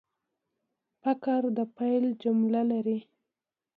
فقره د پیل جمله لري.